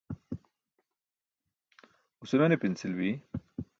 guse mene pinsil bi?